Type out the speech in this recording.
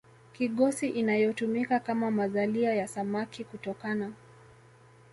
kigosi inayotumika kama mazalia ya samaki kutokana